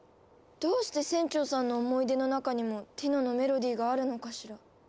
どうして船長さんの思い出の中にもティノのメロディーがあるのかしら？